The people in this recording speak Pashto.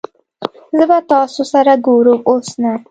زه به تاسو سره ګورم اوس نه